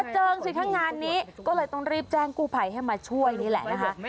เจิงสิคะงานนี้ก็เลยต้องรีบแจ้งกู้ภัยให้มาช่วยนี่แหละนะคะ